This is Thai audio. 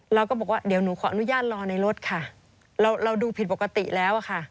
เราก็บอกว่าเดี๋ยวหนูขออนุญาตรอในรถค่ะเราดูผิดปกติแล้วอะค่ะ